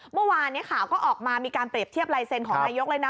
เมื่อวานข่าวก็ออกมามีการเปรียบเทียบลายเซ็นต์ของนายกเลยนะ